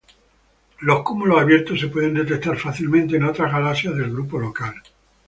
Los cúmulos abiertos se pueden detectar fácilmente en otras galaxias del Grupo Local.